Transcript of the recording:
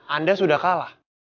anda sudah kalah